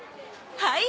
はい。